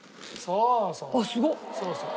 そうそう。